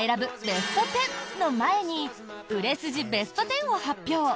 ベスト１０の前に売れ筋ベスト１０を発表。